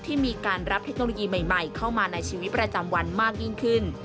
ที่มีการรับเทคโนโลยีใหม่เข้ามาในชีวิตประจำวันมากยิ่งขึ้น